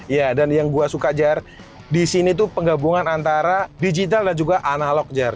ya dan yang gue suka jar di sini tuh penggabungan antara digital dan juga analog jer